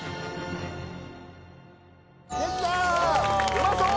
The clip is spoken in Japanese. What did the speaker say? うまそう！